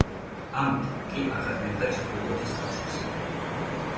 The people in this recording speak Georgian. ამით კი აღადგენდა ჩრდილოეთის კავშირს.